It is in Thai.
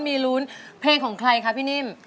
มีลุ้นเพลงของใครคะพี่นิ่ม